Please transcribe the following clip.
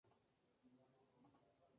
Los dos prometen escribirse el uno al otro.